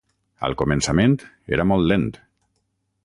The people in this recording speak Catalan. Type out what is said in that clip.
Al començament, era molt lent.